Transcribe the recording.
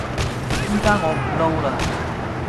依家我唔撈喇